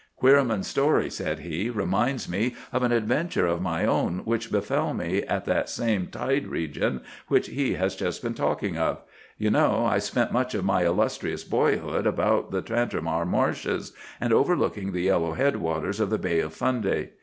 "Queerman's story," said he, "reminds me of an adventure of my own, which befell me in that same tide region which he has just been talking of. You know, I spent much of my illustrious boyhood about the Tantramar marshes, and overlooking the yellow head waters of the Bay of Fundy.